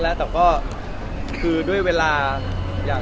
อ๋อน้องมีหลายคน